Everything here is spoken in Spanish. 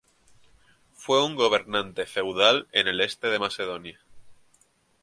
Fue un gobernante feudal en el este de Macedonia.